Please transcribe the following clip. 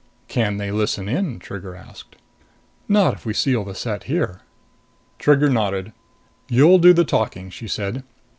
"Can they listen in?" Trigger asked. "Not if we seal the set here." Trigger nodded. "You'll do the talking," she said.